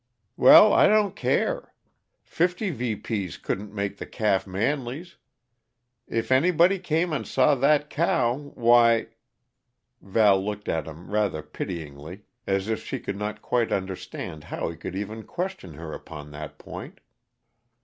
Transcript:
"Well, I don't care! Fifty VP's couldn't make the calf Manley's. If anybody came and saw that cow, why " Val looked at him rafter pityingly, as if she could not quite understand how he could even question her upon that point.